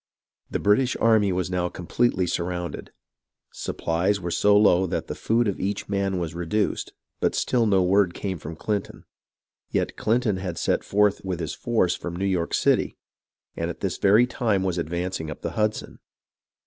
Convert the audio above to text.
The British army was now completely surrounded. Supplies were so low that the food of each man was re duced, but still no word came from Clinton. Yet Clinton had set forth with his force from New York City, and at this very time was advancing up the Hudson.